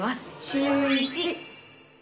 シューイチ。